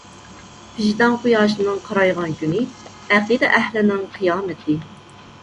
ۋىجدان قۇياشىنىڭ قارايغان كۈنى ئەقىدە ئەھلىنىڭ قىيامىتى.